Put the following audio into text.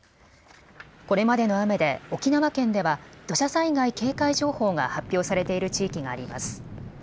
これまでの雨で沖縄県では土砂災害警戒情報が発表されている地域があります。